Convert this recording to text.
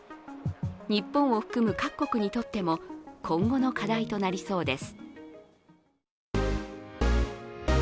日本を含む各国にとっても今後の課題となりそうです。